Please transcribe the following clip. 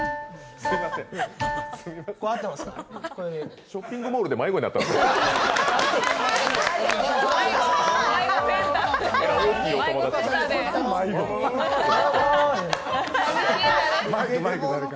すいません、ショッピングモールで迷子に鳴ったんですか？